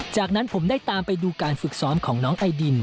จากนั้นผมได้ตามไปดูการฝึกซ้อมของน้องไอดิน